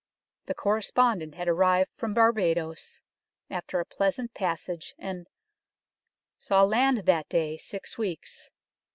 The correspondent had arrived from Barbadoes, after a pleasant passage, and " saw land that day six weeks."